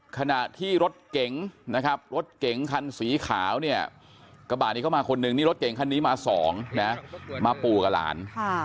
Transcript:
ขณะที่รถเก๋งนะครับรถเก๋งคันสีขาวเนี่ย